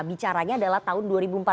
bicaranya adalah tahun dua ribu empat belas